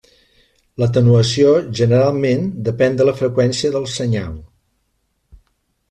L'atenuació generalment depèn de la freqüència del senyal.